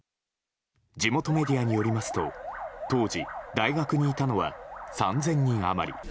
地元メディアによりますと当時、大学にいたのは３０００人余り。